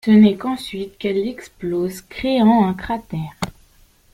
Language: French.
Ce n'est qu'ensuite qu'elle explose, créant un cratère.